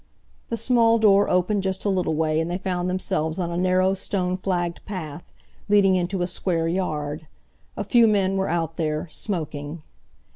The small door opened just a little way, and they found themselves on a narrow stone flagged path, leading into a square yard. A few men were out there, smoking.